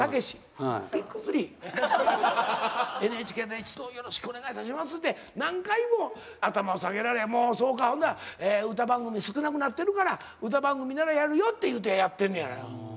ＮＨＫで「一度よろしくお願いいたします」って何回も頭を下げられもうそうかほんだら歌番組少なくなってるから歌番組ならやるよって言うてやってんねや。